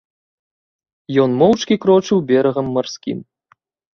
Ён моўчкі крочыў берагам марскім.